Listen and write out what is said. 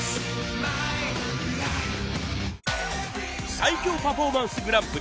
最強パフォーマンスグランプリ